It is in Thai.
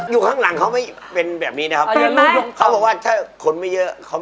อยู่ข้างหลังเขาไม่เป็นแบบนี้นะครับเขาบอกว่าถ้าคนไม่เยอะเขา